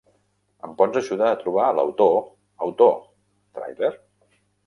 Em pots ajudar a trobar l'autor! Autor! Tràiler?